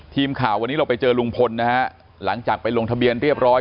ทีมข่าววันนี้เราไปเจอลุงพลนะฮะหลังจากไปลงทะเบียนเรียบร้อย